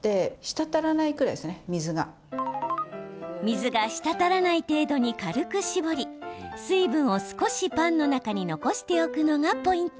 水が滴らない程度に軽く絞り水分を少しパンの中に残しておくのがポイント。